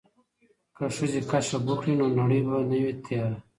که ښځې کشف وکړي نو نړۍ به نه وي تیاره.